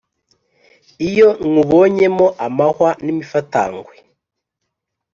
iyo nywubonyemo amahwa n’imifatangwe,